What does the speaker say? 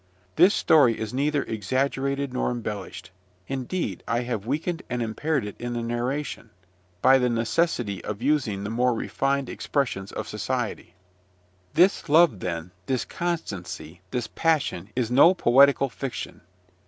This story is neither exaggerated nor embellished: indeed, I have weakened and impaired it in the narration, by the necessity of using the more refined expressions of society. This love, then, this constancy, this passion, is no poetical fiction.